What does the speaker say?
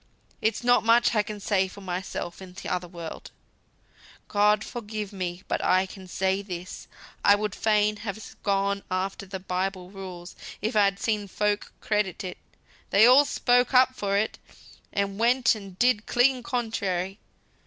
It's not much I can say for myself in t'other world, God forgive me; but I can say this, I would fain have gone after the Bible rules if I'd seen folk credit it; they all spoke up for it, and went and did clean contrary.